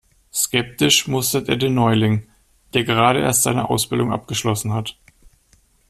Skeptisch mustert er den Neuling, der gerade erst seine Ausbildung abgeschlossen hat.